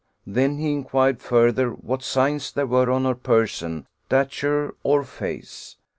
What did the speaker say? Then he inquired further what signs there were on her person, stature, or face?